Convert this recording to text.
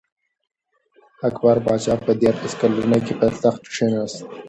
اکبر پاچا په دیارلس کلنۍ کي پر تخت کښېناست.